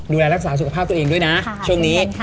ดูแลรักษาสุขภาพตัวเองด้วยนะช่วงนี้